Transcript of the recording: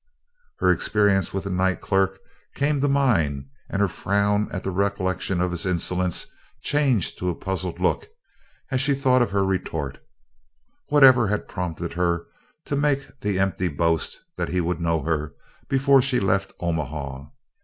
Her experience with the night clerk came to mind and her frown at the recollection of his insolence changed to a puzzled look as she thought of her retort. Whatever had prompted her to make the empty boast that he would know her before she left Omaha?